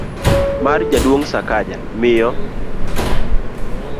mar Jaduong' Sakaja, miyo